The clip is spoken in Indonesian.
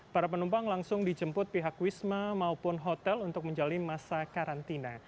para penumpang langsung dijemput pihak wisma maupun hotel untuk menjalani masa karantina